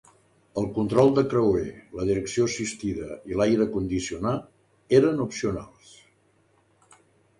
El control de creuer, la direcció assistida i l"aire condicionat eren opcionals.